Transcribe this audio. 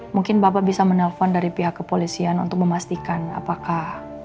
mungkin bapak bisa menelpon dari pihak kepolisian untuk memastikan apakah